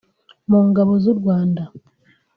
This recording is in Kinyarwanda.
mu Ngabo z’u Rwanda